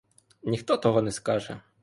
Ніхто того не скаже.